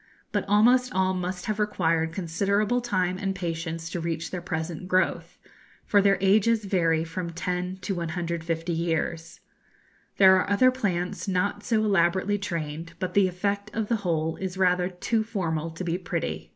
But almost all must have required considerable time and patience to reach their present growth, for their ages vary from 10 to 150 years. There are other plants not so elaborately trained, but the effect of the whole is rather too formal to be pretty.